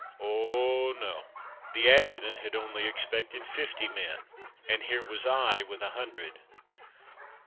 Oh no! the Adjutant had only expected fifty men, and here was I with a hundred.